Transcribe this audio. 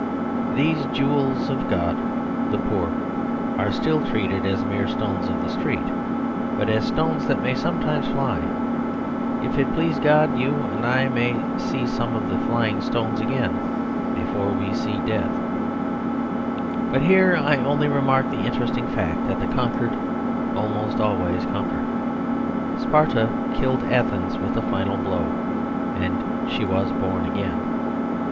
These jewels of God, the poor, are still treated as mere stones of the street; but as stones that may sometimes fly. If it please God, you and I may see some of the stones flying again before we see death. But here I only remark the interesting fact that the conquered almost always conquer. Sparta killed Athens with a final blow, and she was born again.